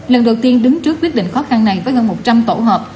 lần đầu tiên đứng trước quyết định khó khăn này với hơn một trăm linh tổ hợp